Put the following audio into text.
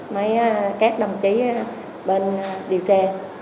mấy các đồng chí bên điều kê